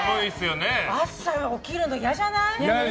朝起きるの嫌じゃない？